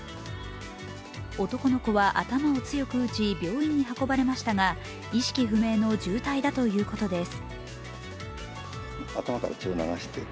男の子は頭を強く打ち病院に運ばれましたが意識不明の重体だということです。